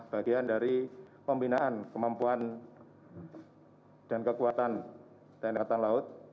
bagian dari pembinaan kemampuan dan kekuatan tni angkatan laut